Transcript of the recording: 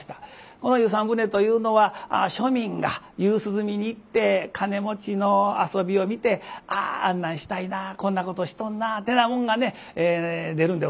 この「遊山船」というのは庶民が夕涼みに行って金持ちの遊びを見て「ああんなんしたいなこんなことしとんな」ってなもんがね出るんでございます。